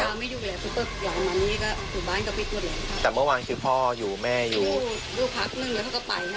เมื่อเช้าไม่อยู่แล้วคือเปิดวานวันนี้ก็คือบ้านกับวิทย์หมดเลย